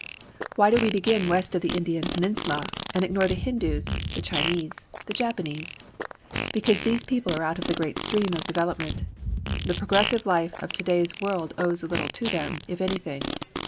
Why do we begin west of the Indian peninsula, and ignore the Hindoos, the Chinese, the Japanese? Because these peoples are out of the great stream of development. The progressive life of to day's world owes little to them, if anything.